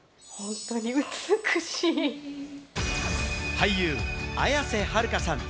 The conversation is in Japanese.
俳優・綾瀬はるかさん。